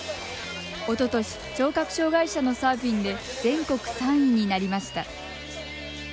おととし聴覚障害者のサーフィンで全国３位になりました。